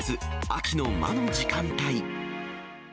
秋の魔の時間帯。